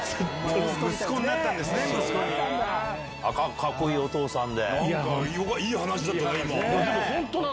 カッコいいお父さんで。